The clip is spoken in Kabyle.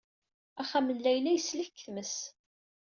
Axxam n Layla yeslek seg tmes.